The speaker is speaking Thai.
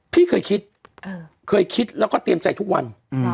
พี่เคยคิดเคยคิดแล้วก็เตรียมใจทุกวัน